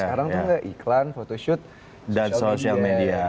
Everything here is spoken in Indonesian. sekarang tuh iklan photoshoot social media